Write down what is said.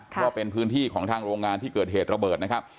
ว่าเป็นพื้นที่ของทางโรงงานที่เกิดเหตุระเบิดนะครับ